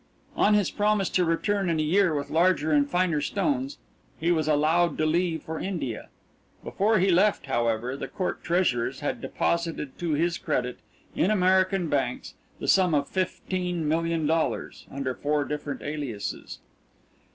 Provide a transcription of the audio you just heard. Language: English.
On his promise to return in a year with larger and finer stones, he was allowed to leave for India. Before he left, however, the Court Treasurers had deposited to his credit, in American banks, the sum of fifteen million dollars under four different aliases.